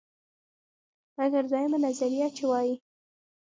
مګر دویمه نظریه، چې وایي: